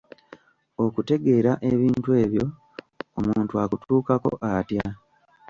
Okutegeera ebintu ebyo, omuntu akutuukako atya?